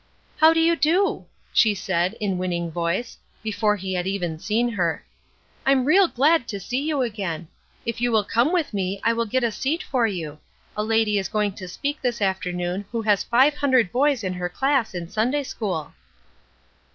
"How do you do?" she said, in winning voice, before he had even seen her. "I am real glad to see you again. If you will come with me I will get a seat for you. A lady is going to speak this afternoon who has five hundred boys in her class in Sunday school."